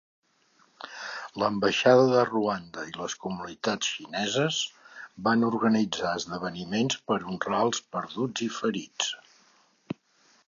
L'ambaixada de Rwanda i les comunitats xineses van organitzar esdeveniments per honrar els perduts i ferits.